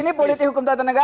ini politik hukum tata negara